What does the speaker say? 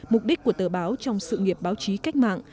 mục đích của tờ báo trong sự nghiệp báo chí cách mạng